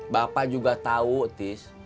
bapak juga tau altis